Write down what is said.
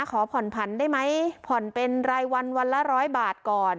ขอผ่อนผันได้ไหมผ่อนเป็นรายวันวันละ๑๐๐บาทก่อน